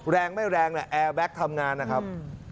แรงไม่แรงนะแอร์แบ็คทำงานนะครับ